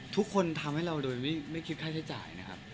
ทำให้เราโดยไม่คิดค่าใช้จ่ายนะครับ